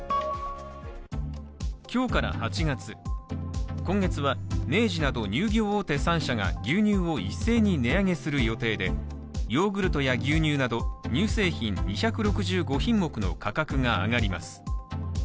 今日から８月、今月は明治など乳牛大手３社が、牛乳を一斉に値上げする予定でヨーグルトや牛乳など乳製品２６５品目の価格が上がります。